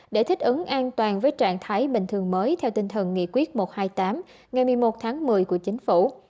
để thích ứng an toàn với trạng thái bình thường mới theo tinh thần nghị quyết một trăm hai mươi tám ngày một mươi một tháng một mươi của chính phủ